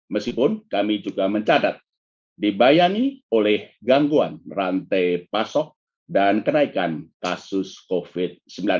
meskipun kami juga mencatat dibayangi oleh gangguan rantai pasok dan kenaikan kasus covid sembilan belas